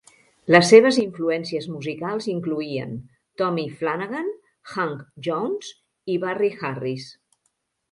Les seves influències musicals incloïen Tommy Flanagan, Hank Jones i Barry Harris.